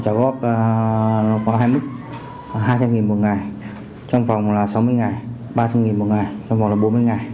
trả góp có hai mươi hai trăm linh nghìn một ngày trong vòng là sáu mươi ngày ba trăm linh nghìn một ngày trong vòng là bốn mươi ngày